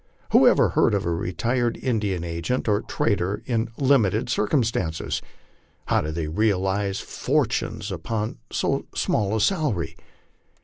Who ever heard of a retired Indian agent or trader in limited circumstances? Plow do they realize fortunes upon so small a salary?